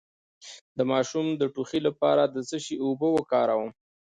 د ماشوم د ټوخي لپاره د څه شي اوبه وکاروم؟